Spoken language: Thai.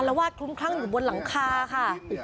วาดคลุ้มคลั่งอยู่บนหลังคาค่ะ